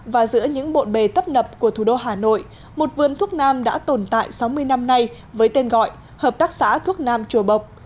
và giữa những bộn bề tấp nập của thủ đô hà nội một vườn thuốc nam đã tồn tại sáu mươi năm nay với tên gọi hợp tác xã thuốc nam chùa bộc